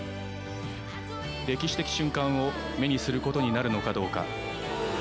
歴史的瞬間を目にすることになるのかどうか。